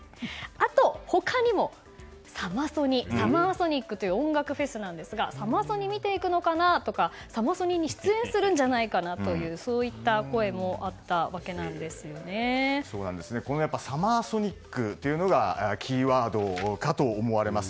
あと、他にもサマソニ、サマーソニックという音楽フェスなんですがサマソニを見ていくのかな？とかサマソニに出演するんじゃないかとかそういった声もサマーソニックというのがキーワードかと思われます。